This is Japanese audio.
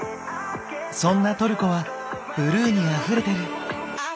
そんなトルコはブルーにあふれてる！